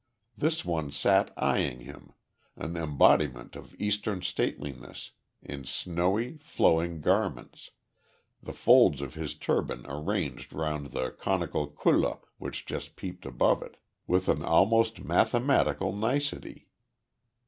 This one sat eyeing him, an embodiment of Eastern stateliness, in snowy flowing garments, the folds of his turban arranged round the conical kulla which just peeped above it, with an almost mathematical nicety.